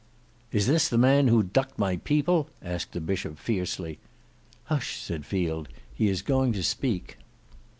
"Is this the man who ducked my people?" asked the Bishop fiercely. "Hush!" said Field; "he is going to speak."